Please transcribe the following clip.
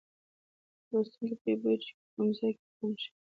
لوستونکی پرې پوهیږي چې په کوم ځای کې تم شي.